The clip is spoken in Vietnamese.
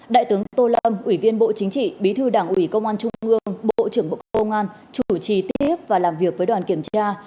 đại tướng tô lâm ủy viên bộ chính trị bí thư đảng ủy công an trung ương bộ trưởng bộ công an chủ trì tiếp và làm việc với đoàn kiểm tra